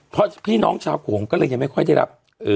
เพราะพี่น้องชาวโขงก็เลยยังไม่ค่อยได้รับ